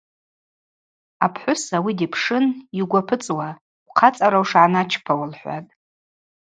Апхӏвыс ауи дипшын: Йугвапыцӏуа, ухъацӏара ушгӏаначпауа, – лхӏватӏ.